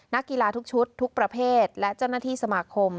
นักกีฬาทุกชุดทุกประเภทและเจ้าหน้าที่สมาคม